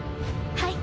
はい！